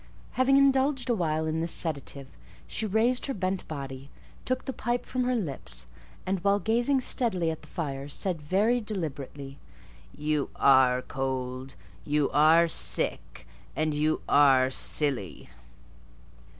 Having indulged a while in this sedative, she raised her bent body, took the pipe from her lips, and while gazing steadily at the fire, said very deliberately— "You are cold; you are sick; and you are silly."